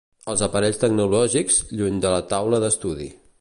Els aparells tecnològics, lluny de la taula d’estudi.